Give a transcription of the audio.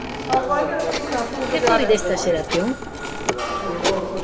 Que foi desta xeración?